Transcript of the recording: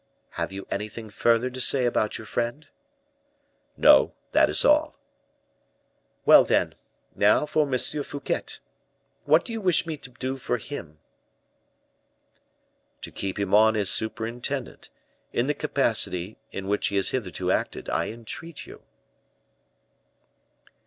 Have you anything further to say about your friend?" "No; that is all." "Well, then, now for M. Fouquet. What do you wish me to do for him?" "To keep him on as surintendant, in the capacity in which he has hitherto acted, I entreat you."